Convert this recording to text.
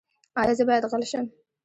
ایا زه باید غل شم؟